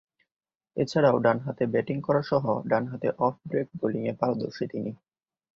এছাড়াও ডানহাতে ব্যাটিং করাসহ ডানহাতে অফ-ব্রেক বোলিংয়ে পারদর্শী তিনি।